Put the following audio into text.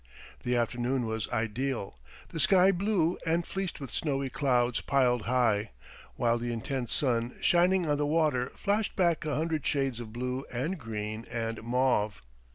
The afternoon was ideal the sky blue and fleeced with snowy clouds piled high, while the intense sun shining on the water flashed back a hundred shades of blue and green and mauve.